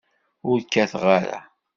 Ur kkatet ara.